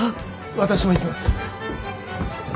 私も行きます。